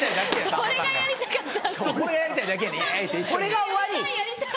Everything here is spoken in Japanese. これが終わり？